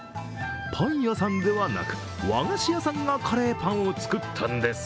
パン屋さんではなく、和菓子屋さんがカレーパンを作ったんです。